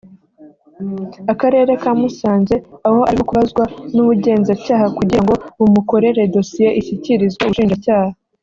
Akarere ka Musanze aho arimo kubazwa n’ubugenzacyaha kugirango bumukorere dosiye ishyikirizwe ubushinjacyaha